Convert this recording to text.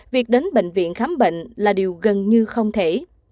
việc đến bệnh viện khám bệnh là điều gần như không thể